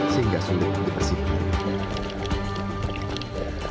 sehingga sulit dipersihkan